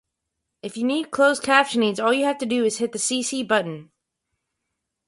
Viewer comments were played live during interstitials and after each broadcast.